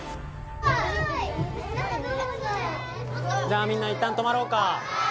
じゃあみんないったん止まろうか。